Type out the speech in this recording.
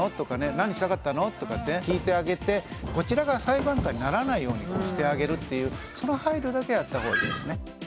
「何したかったの？」とか聞いてあげてこちらが裁判官にならないようにしてあげるっていうその配慮だけはやったほうがいいですね。